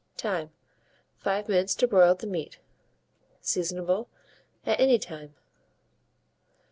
Time. 5 minutes to broil the meat. Seasonable at any time.